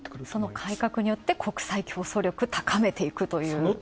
その改革によって国際競争力、高めていくという。